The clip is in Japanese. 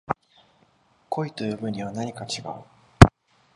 恋と呼ぶにはなにか違う